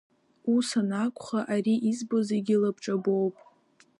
Ус анакәха ари избо зегьы лабҿабоуп…